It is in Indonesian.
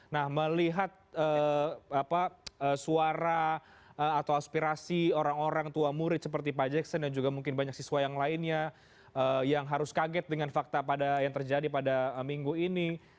nah melihat suara atau aspirasi orang orang tua murid seperti pak jackson dan juga mungkin banyak siswa yang lainnya yang harus kaget dengan fakta yang terjadi pada minggu ini